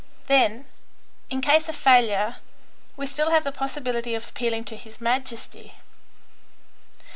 Then, in case of failure, we have still the possibility of appealing to His Majesty.